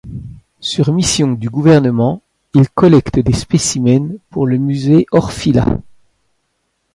Sur mission du gouvernement, il collecte des spécimens pour le Musée Orfila.